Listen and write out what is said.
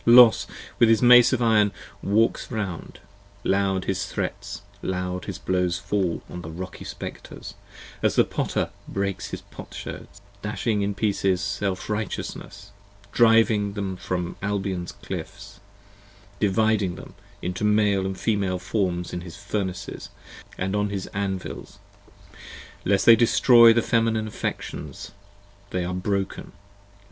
Los with his mace of iron Walks round: loud his threats, loud his blows fall 5 On the rocky Spectres, as the Potter breaks his potsherds: Dashing in pieces Self righteousnesses, driving them from Albion's Cliffs: dividing them into Male & Female forms in his Furnaces And on his Anvils: lest they destroy the Feminine Affections, They are broken.